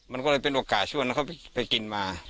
มันก็เลยเป็นโอกาสช่วงนั้นเขาไปกินมา